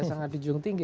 sangat dijunjung tinggi